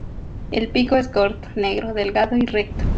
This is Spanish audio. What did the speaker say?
El pico es corto, negro, delgado y recto.